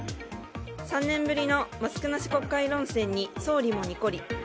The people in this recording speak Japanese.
３年ぶりのマスクなし国会論戦に総理もニコリ。